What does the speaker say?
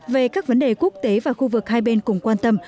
về các vấn đề quốc tế và khu vực hai bên cùng quan tâm